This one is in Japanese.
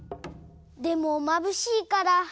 でもまぶしいから。